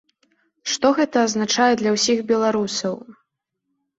Што гэта азначае для ўсіх беларусаў?